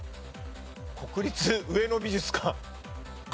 国立上野美術館。